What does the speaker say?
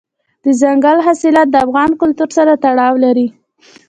دځنګل حاصلات د افغان کلتور سره تړاو لري.